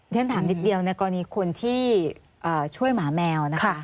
เช่นถามนิดเดียวกรณีคนที่ช่วยหมาแมว